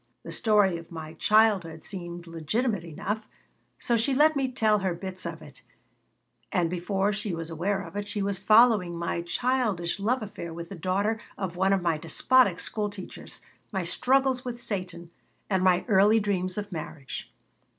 The story of my childhood seemed legitimate enough, so she let me tell her bits of it, and before she was aware of it she was following my childish love affair with the daughter of one of my despotic school teachers, my struggles with Satan, and my early dreams of marriage.